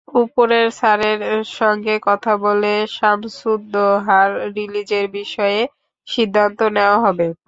ওপরের স্যারের সঙ্গে কথা বলে সামসুদ্দোহার রিলিজের বিষয়ে সিদ্ধান্ত নেওয়া হবে।